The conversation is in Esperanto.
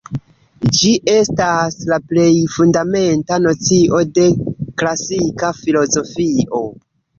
Ĝi estas la plej fundamenta nocio de klasika filozofio.